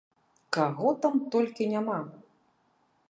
Каго там толькі няма!